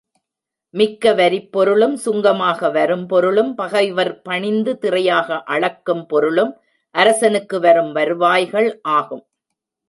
மிக்க வரிப்பொருளும், சுங்கமாக வரும் பொருளும், பகைவர் பணிந்து திறையாக அளக்கும் பொருளும் அரசனுக்கு வரும் வருவாய்கள் ஆகும்.